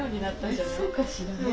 えそうかしらね。